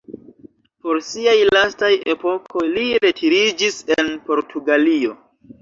Por siaj lastaj epokoj li retiriĝis en Portugalio.